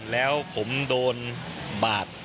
แล้วผมโดนบาด